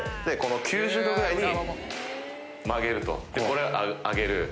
９０度ぐらいに曲げるでこれを上げる。